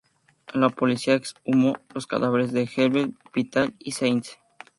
La policía exhumó los cadáveres de Gebel, Vitale y Seitz.